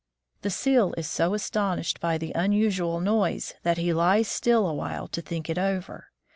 The seal is so astonished by the un usual noise that he lies still awhile to think it over.